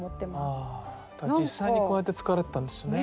実際にこうやって使われてたんですよね。